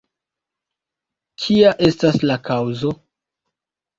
Kia estas la kaŭzo?